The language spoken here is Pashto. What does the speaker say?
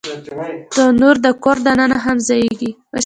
تنور د کور دننه هم ځایېږي